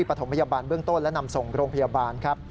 เจ้าหน้าที่บริปฐมพยาบาลเบื้องต้นและนำส่งโรงพยาบาล